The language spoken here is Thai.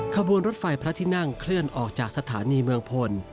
ขบวนรถไฟพระที่นั่งเคลื่อนออกจากสถานีเมืองพล